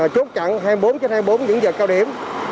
chốt chặn hai mươi bốn trên hai mươi bốn những giờ cao điểm